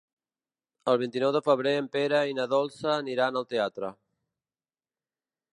El vint-i-nou de febrer en Pere i na Dolça aniran al teatre.